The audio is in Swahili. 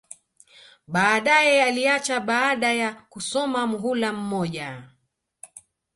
Baadae aliacha baada ya kusoma muhula mmoja